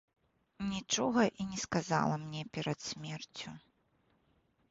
Нічога і не сказала мне перад смерцю.